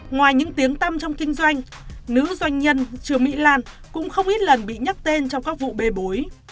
ngoài những tiếng tâm trong kinh doanh nữ doanh nhân trương mỹ lan cũng không ít lần bị nhắc tên trong các vụ bê bối